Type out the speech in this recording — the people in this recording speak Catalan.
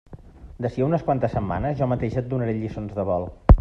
D'ací a unes quantes setmanes jo mateixa et donaré lliçons de vol.